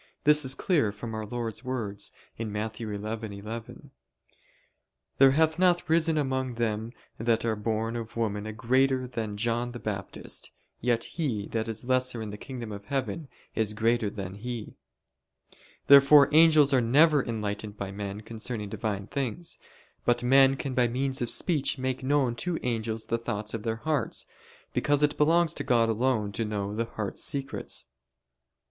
This is clear from Our Lord's words (Matt. 11:11): "There hath not risen among them that are born of woman a greater than John the Baptist; yet he that is lesser in the kingdom of heaven is greater than he." Therefore angels are never enlightened by men concerning Divine things. But men can by means of speech make known to angels the thoughts of their hearts: because it belongs to God alone to know the heart's secrets.